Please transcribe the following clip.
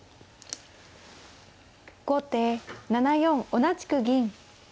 後手７四同じく銀。